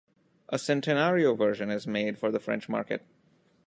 A centenario version is made for the French market.